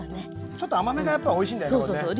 ちょっと甘めがやっぱおいしいんだよねこれね。